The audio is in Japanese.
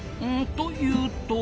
というと？